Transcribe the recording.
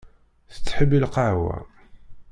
Tettḥibbi lqahwa.